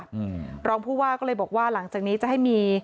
อืมรองผู้ว่าก็เลยบอกว่าหลังจากนี้จะให้มี